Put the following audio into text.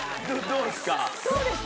どうですか？